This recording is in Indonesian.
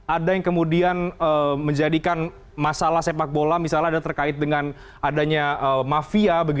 ada yang kemudian menjadikan masalah sepak bola misalnya ada terkait dengan adanya mafia